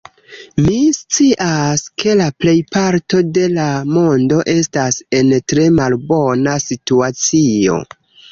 Mi scias, ke la plejparto de la mondo estas en tre malbona situacio.